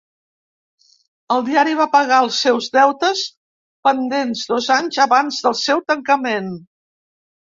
El diari va pagar els seus deutes pendents dos anys abans del seu tancament.